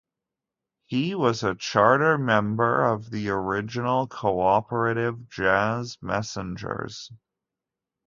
He was a charter member of the original cooperative Jazz Messengers.